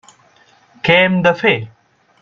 Què hem de fer?